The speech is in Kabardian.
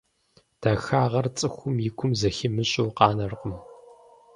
Дахагъэр цӀыхум и гум зэхимыщӀэу къанэркъым.